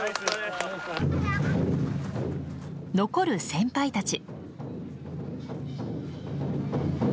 残る先輩たち。